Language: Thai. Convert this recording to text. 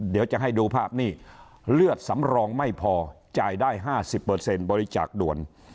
เดี๋ยวจะให้ดูภาพนี้เลือดสำรองไม่พอจ่ายได้๕๐บริจาคด่วน